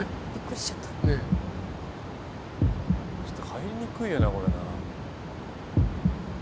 ちょっと入りにくいよなこれな。